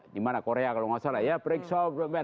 dimana korea kalau gak salah ya periksa